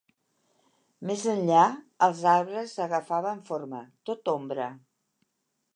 Més enllà, els arbres agafaven forma, tot ombra.